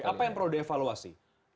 apa yang perlu dievaluasi